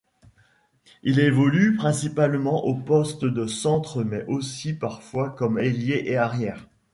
Il évolue principalement au poste de centre mais aussi parfois comme ailier et arrière.